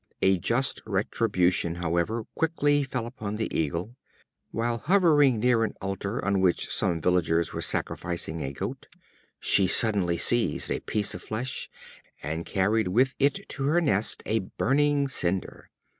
A just retribution, however, quickly fell upon the Eagle. While hovering near an altar, on which some villagers were sacrificing a goat, she suddenly seized a piece of flesh, and carried with it to her nest a burning cinder.